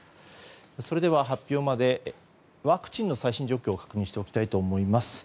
それでは、発表までワクチンの最新状況を確認しておきたいと思います。